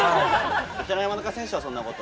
山中選手はそんなこと。